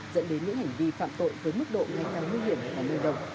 dẫn đến những hành vi phạm tội với mức độ ngay năng nguy hiểm của người đồng